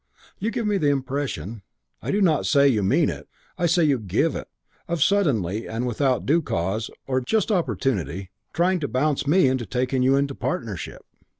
You give me the impression I do not say you mean it, I say you give it of suddenly and without due cause or just im just opportunity, trying to bounce me into taking you into partnership.